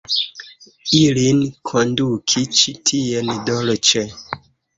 Ilin konduki ĉi tien dolĉe.